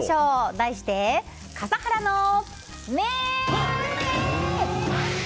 題して、笠原の眼。